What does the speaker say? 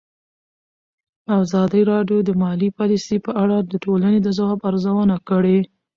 ازادي راډیو د مالي پالیسي په اړه د ټولنې د ځواب ارزونه کړې.